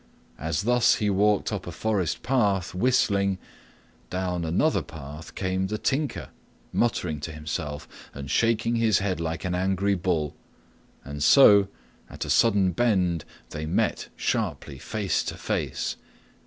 As thus he walked up a forest path, whistling, down another path came the Tinker, muttering to himself and shaking his head like an angry bull; and so, at a sudden bend, they met sharply face to face.